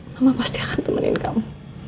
mama pasti akan temenin kamu